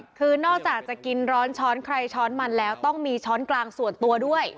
คือนอกจากจะกินร้อนช้อนใครช้อนมันแล้วต้องมีช้อนกลางส่วนตัวด้วย